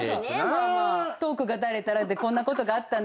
トークがだれたらこんなことがあったんですよ。